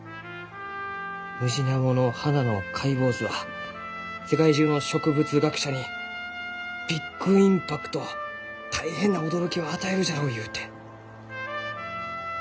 「ムジナモの花の解剖図は世界中の植物学者にｂｉｇｉｍｐａｃｔ大変な驚きを与えるじゃろう」ゆうて。